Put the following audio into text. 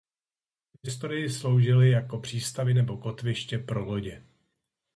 V historii sloužili jako přístavy nebo kotviště pro lodě.